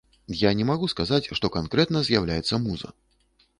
Я не магу сказаць, што канкрэтна з'яўляецца муза.